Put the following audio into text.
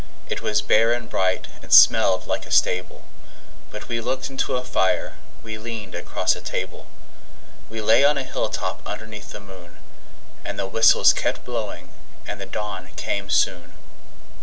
It was bare and bright, and smelled like a stable But we looked into a fire, we leaned across a table, We lay on a hilltop underneath the moon; And the whistles kept blowing, and the dawn came soon.